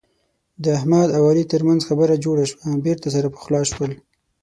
د احمد او علي ترمنځ خبره جوړه شوه. بېرته سره پخلا شول.